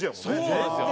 そうなんですよ。